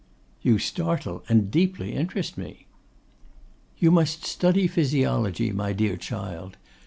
'You startle, and deeply interest me.' 'You must study physiology, my dear child.